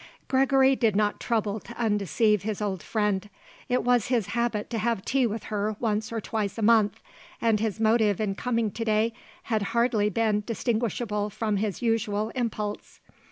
Gregory did not trouble to undeceive his old friend. It was his habit to have tea with her once or twice a month, and his motive in coming to day had hardly been distinguishable from his usual impulse.